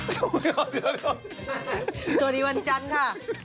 สวัสดีวันจันทร์ค่ะ